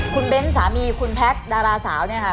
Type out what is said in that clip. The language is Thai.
คุณเบ้นสามีคุณแพทย์ดาราสาวเนี่ยค่ะ